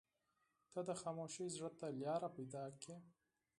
• ته د خاموشۍ زړه ته لاره پیدا کړې.